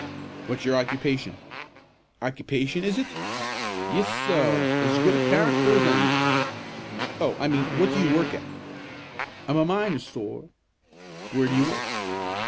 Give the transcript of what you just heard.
"What's your occupation?" "Occupation, is it? Yis, sorr; as good a char_rac_ter as anny" "Oh, I mean what do you work at?" "I'm a miner, sorr." "Where do you work?"